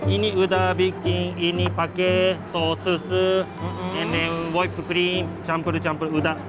ini udah bikin ini pakai sos susu dan woi krim campur campur udah